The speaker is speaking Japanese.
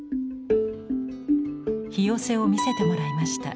「ひよせ」を見せてもらいました。